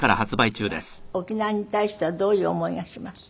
今沖縄に対してはどういう思いがします？